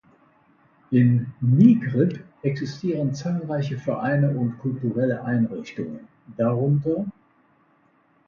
In Niegripp existieren zahlreiche Vereine und kulturelle Einrichtungen, darunter